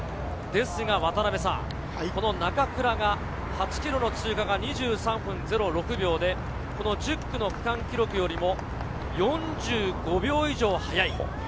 ですが渡辺さん、中倉が８ｋｍの通過が２３分０６秒で１０区の区間記録よりも４５秒以上速い。